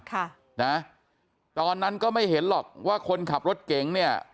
ค่ะนะตอนนั้นก็ไม่เห็นหรอกว่าคนขับรถเก๋งเนี่ย